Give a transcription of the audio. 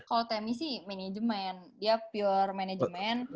kalau temi sih manajemen dia pure manajemen